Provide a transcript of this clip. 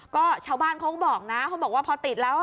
ก็ชาวบ้านเขาก็บอกนะเขาบอกว่าพอติดแล้ว